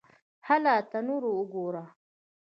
_هله! تنور وګوره!